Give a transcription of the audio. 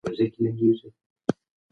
هره ناسته د ماشوم زده کړه پیاوړې کوي.